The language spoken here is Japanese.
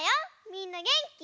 みんなげんき？